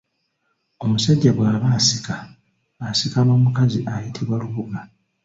Omusajja bwaba asika, asika n’omukazi ayitibwa Lubuga.